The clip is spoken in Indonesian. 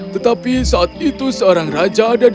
tetapi saat itu seorang raja ada di dalam kota